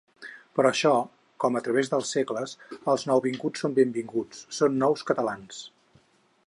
Per això, com a través dels segles, els nouvinguts són benvinguts, són nous catalans.